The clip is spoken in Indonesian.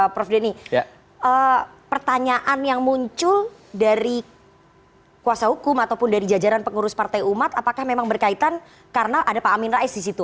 prof denny pertanyaan yang muncul dari kuasa hukum ataupun dari jajaran pengurus partai umat apakah memang berkaitan karena ada pak amin rais di situ